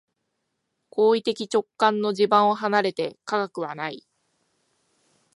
行為的直観の地盤を離れて科学はない。